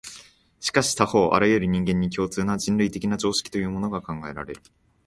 しかし他方、あらゆる人間に共通な、人類的な常識というものが考えられる。